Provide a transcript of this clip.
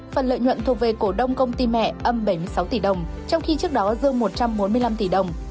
phần lợi nhuận thuộc về cổ đông công ty mẹ âm bảy mươi sáu tỷ đồng trong khi trước đó dương một trăm bốn mươi năm tỷ đồng